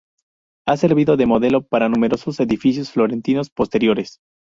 Ha servido de modelo para numerosos edificios florentinos posteriores.